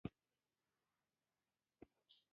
هغه د هر جنګ له میدانه بریالی راووت.